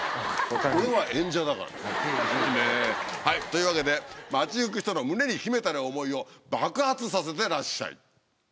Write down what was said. はいというわけで街行く人の胸に秘めたる想いを爆発させてらっしゃい。